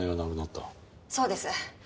そうです。